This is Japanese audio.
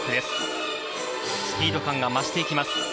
スピード感が増していきます。